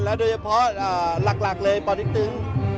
โดยเฉพาะหลักเลยปติ๊กตึง